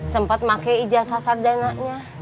sempet pake ijazah sardana nya